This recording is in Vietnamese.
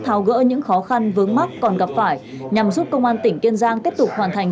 thao gỡ những khó khăn vướng mắt còn gặp phải nhằm giúp công an tỉnh kiên giang kết thúc hoàn thành